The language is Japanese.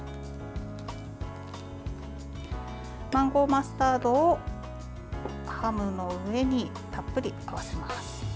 マンゴーマスタードをハムの上にたっぷり合わせます。